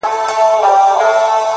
o اوس خو رڼاگاني كيسې نه كوي،